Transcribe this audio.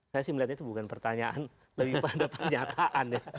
saya sih melihatnya itu bukan pertanyaan lebih pada pernyataan